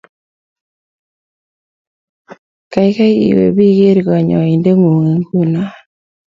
Kaikai iwe biker knyoendet ng'ung' nguno